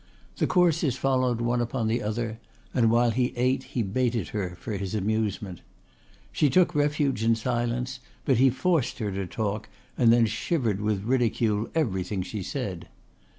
The courses followed one upon the other and while he ate he baited her for his amusement. She took refuge in silence but he forced her to talk and then shivered with ridicule everything she said.